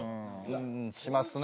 うーんしますね